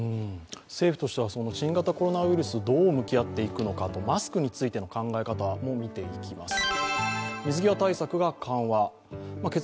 政府としては新型コロナウイルスにどう向き合っていくのかマスクについての考え方も見ていきます。